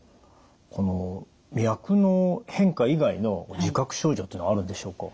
この脈の変化以外の自覚症状というのはあるんでしょうか？